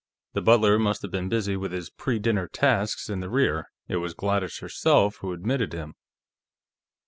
The butler must have been busy with his pre dinner tasks in the rear; it was Gladys herself who admitted him.